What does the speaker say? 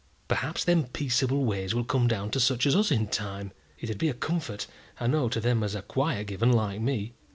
Perhaps them peaceable ways will come down to such as us in time. It'd be a comfort, I know, to them as are quiet given, like me.